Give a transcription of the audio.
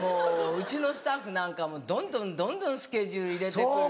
うちのスタッフなんかもどんどんどんどんスケジュール入れて来るし。